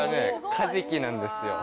カジキなんですよ。